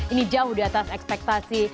ini jauh di atas ekspektasi